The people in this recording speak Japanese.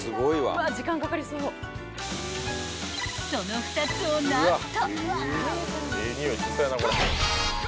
［その２つを何と］